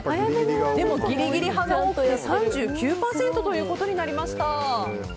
でもギリギリ派が３９％ということでした。